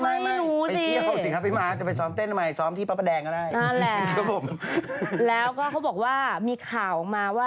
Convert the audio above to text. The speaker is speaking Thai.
ไม่ไปเที่ยวสิครับพี่มาก